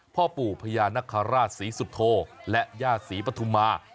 พ่อปู่พญานคราชศรีสุโธและญาติศรีปฐุมา